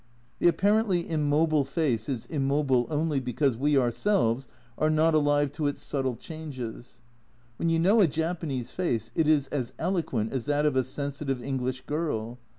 The apparently immobile face is immobile only because we ourselves are not alive to its subtle changes. When you know a Japanese face it is as eloquent as that of a sensitive English girl.